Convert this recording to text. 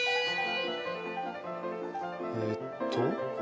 えっと